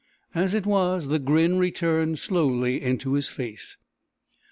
As it was, the grin returned slowly into his face.